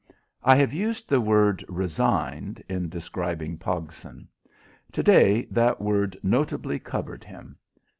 I have used the word "resigned" in describing Pogson. To day that word notably covered him.